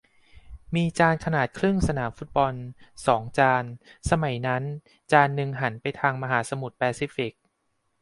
มีจานขนาดครึ่งสนามฟุตบอล สอง จาน สมัยนั้นจานหนึ่งหันไปทางมหาสมุทรแปซิฟิก